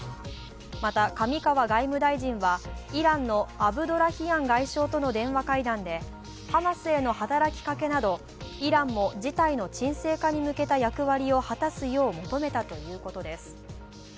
また上川外務大臣はイランのアブドラヒアン外相との電話会談でハマスへの働きかけなど、イランも事態の沈静化に向けた役割を果たすよう求めたということです。